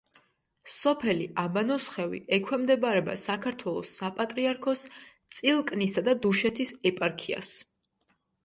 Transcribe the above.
სოფელი აბანოსხევი ექვემდებარება საქართველოს საპატრიარქოს წილკნისა და დუშეთის ეპარქიას.